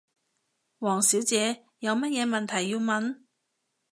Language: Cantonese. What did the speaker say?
王小姐，有乜嘢問題要問？